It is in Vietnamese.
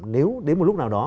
nếu đến một lúc nào